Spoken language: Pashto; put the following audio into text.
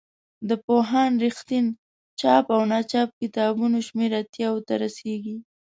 د پوهاند رښتین چاپ او ناچاپ کتابونو شمېر اتیاوو ته رسیږي.